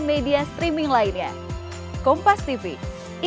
gak bicara masa bicara poni